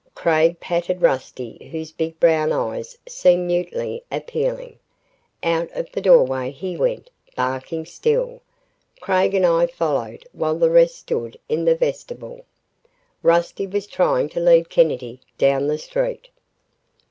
Craig patted Rusty whose big brown eyes seemed mutely appealing. Out of the doorway he went, barking still. Craig and I followed while the rest stood in the vestibule. Rusty was trying to lead Kennedy down the street!